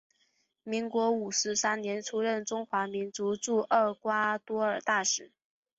民国五十三年出任中华民国驻厄瓜多尔大使。